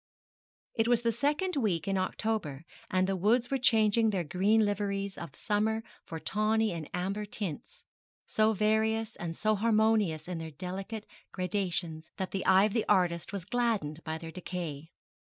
It was the second week in October, and the woods were changing their green liveries of summer for tawny and amber tints, so various and so harmonious in their delicate gradations that the eye of the artist was gladdened by their decay.